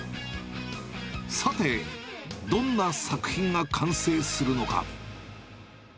さて、どんな作品が完成するのか。